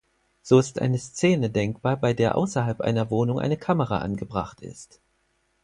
So ist eine Szene denkbar, bei der außerhalb einer Wohnung eine Kamera angebracht ist.